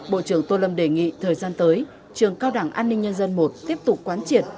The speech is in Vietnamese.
bộ trưởng tô lâm đề nghị thời gian tới trường cao đảng an ninh nhân dân i tiếp tục quán triệt